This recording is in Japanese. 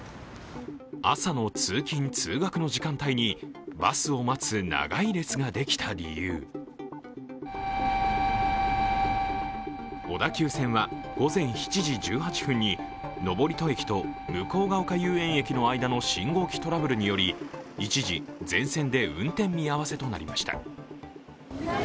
朝の通勤・通学の時間帯にバスを待つ長い列ができた理由小田急線は午前７時１８分に登戸駅と向ケ丘遊園駅の間の信号機トラブルにより一時、全線で運転見合わせとなりました。